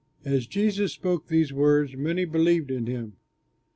As Jesus spoke these words many believed in him.